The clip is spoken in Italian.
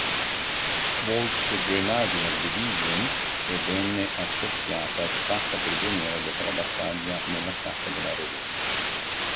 Volksgrenadier-Division e venne accerchiata e fatta prigioniera dopo la battaglia nella sacca della Ruhr.